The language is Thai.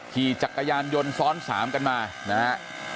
ขี่จักรยานยนต์ซ้อน๓กันมานะฮะ